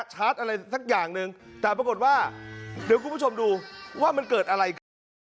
อะไรสักอย่างหนึ่งแต่ปรากฏว่าเดี๋ยวคุณผู้ชมดูว่ามันเกิดอะไรขึ้น